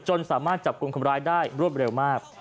จนสามารถจับคนคุมร้ายได้รวบเร็วมาก